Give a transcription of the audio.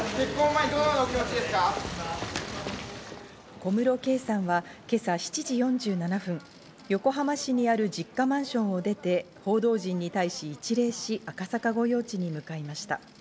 小室圭さんは今朝７時４７分横浜市にある実家マンションを出て報道陣に対し一礼し、赤坂御用地に向かいました。